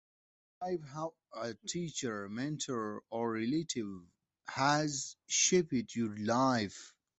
Desscribe how a teacher, mentor, or relative has shaped your life.